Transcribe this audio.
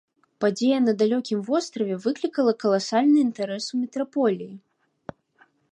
Падзея на далёкім востраве выклікала каласальны інтарэс у метраполіі.